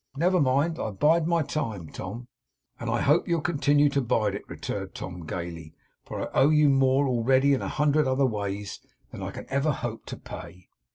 Never mind. I bide my time, Tom.' 'And I hope you'll continue to bide it,' returned Tom, gayly. 'For I owe you more, already, in a hundred other ways, than I can ever hope to pay.